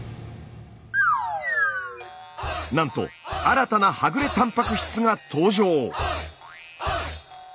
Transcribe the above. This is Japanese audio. なんと新たなはぐれたんぱく質が登場。